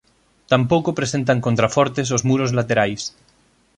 Tampouco presentan contrafortes os muros laterais.